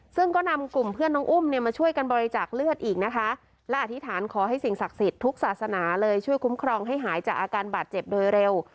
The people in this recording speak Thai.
ซึ่งก็นำกลุ่มเพื่อนน้องอุ้มเนี่ยมาช่วยกันบริจาคเลือดอีกนะคะและอธิษฐานขอให้สิ่งศักดิ์สิทธิ์ทุกศาสนาเลยช่วยคุ้มครองให้หายจากอาการบาดเจ็บโดยเร็ว